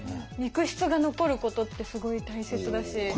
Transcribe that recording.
肉筆が残ることってすごい大切だし。